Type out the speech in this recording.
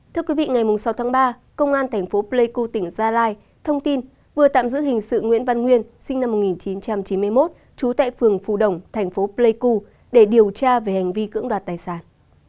thưa quý vị ngày sáu tháng ba công an thành phố pleiku tỉnh gia lai thông tin vừa tạm giữ hình sự nguyễn văn nguyên sinh năm một nghìn chín trăm chín mươi một trú tại phường phù đồng thành phố pleiku để điều tra về hành vi cưỡng đoạt tài sản